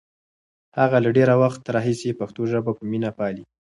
هغه له ډېر وخت راهیسې پښتو ژبه په مینه پالي.